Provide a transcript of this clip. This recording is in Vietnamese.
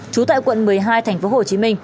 chú tại quận một mươi hai tp hcm